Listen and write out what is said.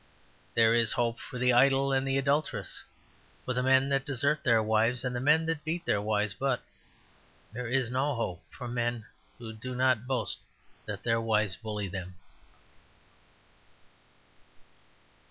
There is hope for the idle and the adulterous, for the men that desert their wives and the men that beat their wives. But there is no hope for men who do not boast that their wives bully them.